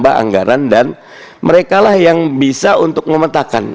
ada tambah anggaran dan merekalah yang bisa untuk memetakkan